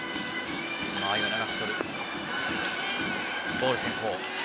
ボール先行。